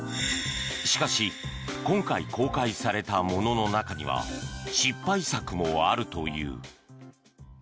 しかし今回公開されたものの中には失敗作もあるという。